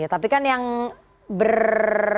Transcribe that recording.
tapi kan yang ber